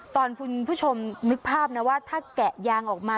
คุณผู้ชมนึกภาพนะว่าถ้าแกะยางออกมา